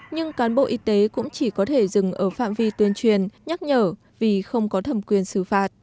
nhưng cán bộ y tế cũng chỉ có thể dừng ở phạm vi tuyên truyền nhắc nhở vì không có thẩm quyền xử phạt